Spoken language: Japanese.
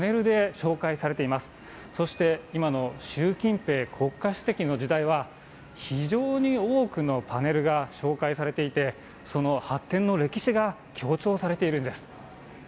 そして今の習近平国家主席の時代は、非常に多くのパネルが紹介されていて、その発展の歴史が強調されているんです。